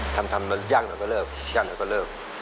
ทำรถย่างหน่อยก็เลิก